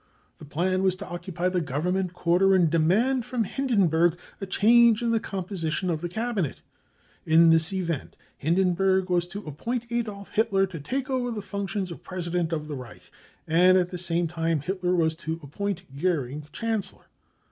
The plan was to occupy the Government quarter and demand from Hindenburg a change in the composition of the Cabinet. In this event, Hindenburg was to appoint Adolf Hitler to take over the functions of President of the Reich, and at the same time Hitler was to appoint Goering Chancellor.